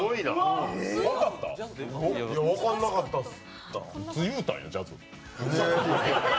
分かんなかったです。